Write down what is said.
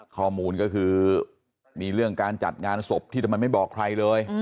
ข้อมูลก็คือมีเรื่องการจัดงานศพที่ทำไมไม่บอกใครเลย